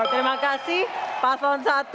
terima kasih paslon satu